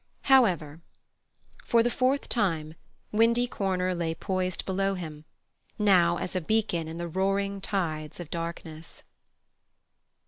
However, for the fourth time Windy Corner lay poised below him—now as a beacon in the roaring tides of darkness.